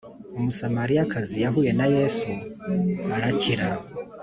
Umusamariyakazi yahuye na yesu arakira